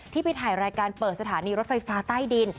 ไปถ่ายรายการเปิดสถานีรถไฟฟ้าใต้ดิน